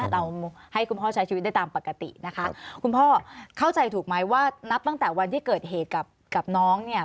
เราให้คุณพ่อใช้ชีวิตได้ตามปกตินะคะคุณพ่อเข้าใจถูกไหมว่านับตั้งแต่วันที่เกิดเหตุกับน้องเนี่ย